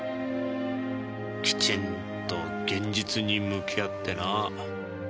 きちんと現実に向き合ってな。